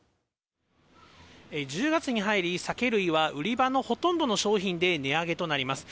１０月に入り、酒類は売り場のほとんどの商品で値上げとなります。